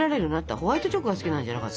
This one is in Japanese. ホワイトチョコが好きなんじゃなかった？